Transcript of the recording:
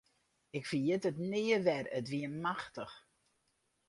Ik ferjit it nea wer, it wie machtich.